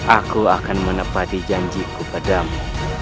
aku akan menepati janjiku padamu